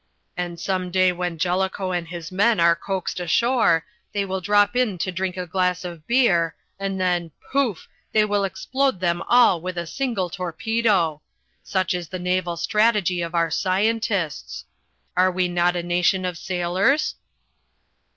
And some day when Jellicoe and his men are coaxed ashore, they will drop in to drink a glass of beer, and then pouf! we will explode them all with a single torpedo! Such is the naval strategy of our scientists! Are we not a nation of sailors?"